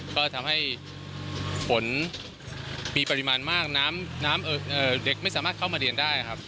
ก็ทำให้ฝนมีปริมาณมากน้ำเด็กไม่สามารถเข้ามาเรียนได้ครับ